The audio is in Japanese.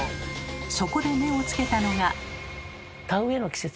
そこで目をつけたのが。